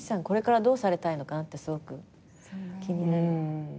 これからどうされたいのかなってすごく気になる。